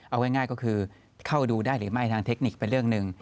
เอาง่ายก็คือเข้าดูได้หรือไม่ทางเทคนิคเป็นเรื่องหนึ่ง